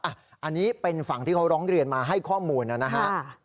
อันนี้เป็นฝั่งที่เขาร้องเรียนมาให้ข้อมูลนะครับ